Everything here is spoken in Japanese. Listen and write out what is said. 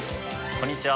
こんにちは。